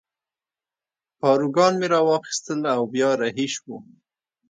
پاروګان مې را واخیستل او بیا رهي شوو.